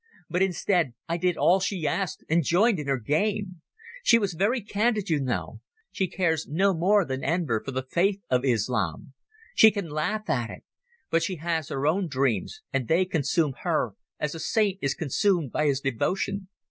But instead I did all she asked and joined in her game ... She was very candid, you know ... She cares no more than Enver for the faith of Islam. She can laugh at it. But she has her own dreams, and they consume her as a saint is consumed by his devotion.